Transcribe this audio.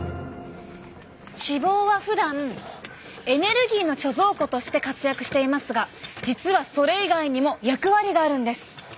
脂肪はふだんエネルギーの貯蔵庫として活躍していますが実はそれ以外にも役割があるんです。